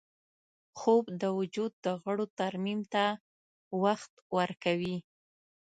خوب د وجود د غړو ترمیم ته وخت ورکوي